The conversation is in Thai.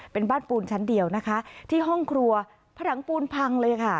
เป็นบ้านปูนชั้นเดียวนะคะที่ห้องครัวผนังปูนพังเลยค่ะ